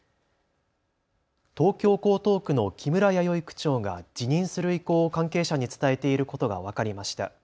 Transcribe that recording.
東京江東区の木村弥生区長が辞任する意向を関係者に伝えていることが分かりました。